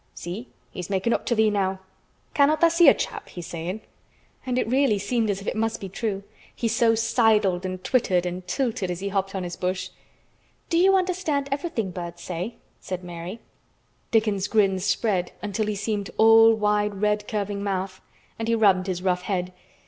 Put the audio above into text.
See, he's making up to thee now. 'Cannot tha' see a chap?' he's sayin'." And it really seemed as if it must be true. He so sidled and twittered and tilted as he hopped on his bush. "Do you understand everything birds say?" said Mary. Dickon's grin spread until he seemed all wide, red, curving mouth, and he rubbed his rough head.